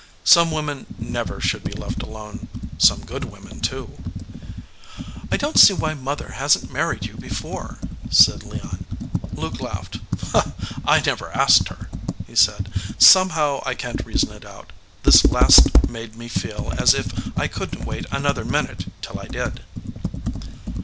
"Some women never should be left alone some good women, too." "I don t see why mother hasn t married you be fore," said Leon. Luke laughed. "I never asked her," he said. "Somehow, I can t reason it out, this last made me feel as if I couldn t wait another minute till I did."